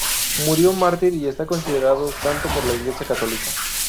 Murió mártir y está considerado santo por la Iglesia Católica.